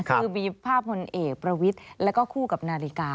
คือมีภาพผลเอกประวิทย์แล้วก็คู่กับนาฬิกา